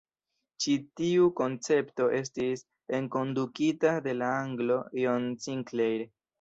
Ĉi tiu koncepto estis enkondukita de la anglo John Sinclair.